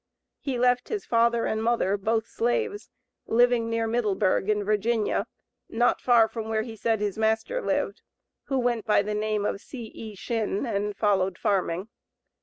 He left his father and mother, both slaves, living near Middleburg, in Virginia, not far from where he said his master lived, who went by the name of C.E. Shinn, and followed farming.